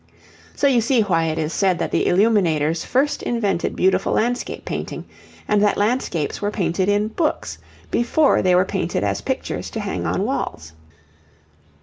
So you see why it is said that the illuminators first invented beautiful landscape painting, and that landscapes were painted in books before they were painted as pictures to hang on walls.